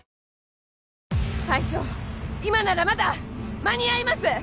隊長今ならまだ間に合います！